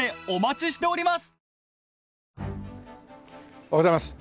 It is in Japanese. おはようございます。